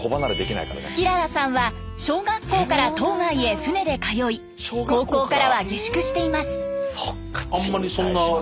きららさんは小学校から島外へ船で通い高校からは下宿しています。